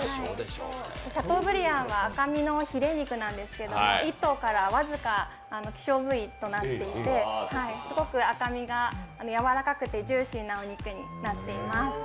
シャトーブリアンは赤身のヒレ肉なんですが１頭から僅か希少部位となっていてすごく赤身がやわらかくてジューシーなお肉となっています。